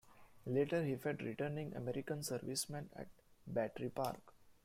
Later he fed returning American servicemen at Battery Park.